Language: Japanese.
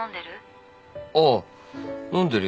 ああ飲んでるよ。